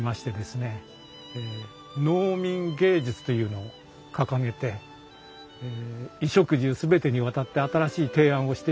農民藝術というのを掲げて衣食住全てにわたって新しい提案をしていくわけです。